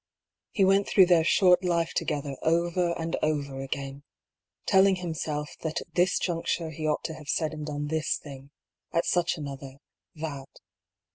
He went through their short life together over and over again, telling him self that at this juncture he ought to have said and done this thing, at such another that.